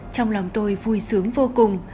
trong lòng tôi vui sướng vô cùng